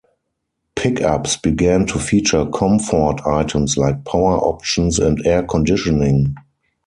Pickups began to feature comfort items like power options and air conditioning.